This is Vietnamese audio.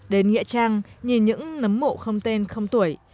đến nghĩa trang nhìn những nấm mộ không tên không tuổi